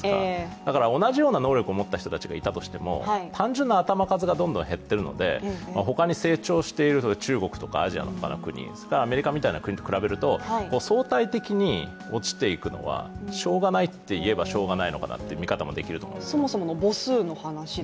だから同じような能力を持った人たちがいたとしても、単純な頭数がどんどん減っているので、他に成長している中国とか、アジアの国、アメリカみたいな国と比べると、相対的に落ちていくのはしょうがないといえばしょうがないのかなという見方もできると思います。